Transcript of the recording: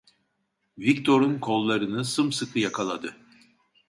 Viktor'un kollarını sımsıkı yakaladı.